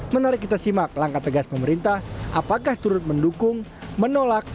menarik kita simak langkah tegas pemerintah apakah turut mendukung menolak